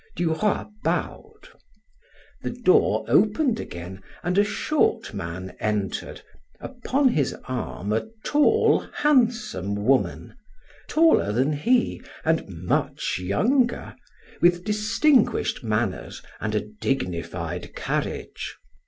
Duroy bowed. The door opened again and a short man entered, upon his arm a tall, handsome woman, taller than he and much younger, with distinguished manners and a dignified carriage.